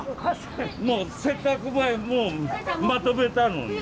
もうせっかくもうまとめたのに。